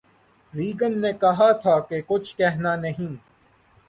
Reagan نے کہا تھا کہ کچھ کہنا نہیں